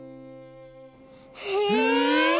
へえ！